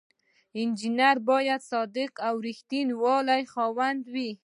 انجینر باید د صداقت او ریښتینولی خاوند وي.